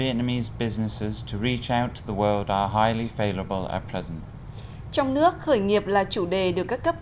trong nước khởi nghiệp là chủ đề được các cấp hành trình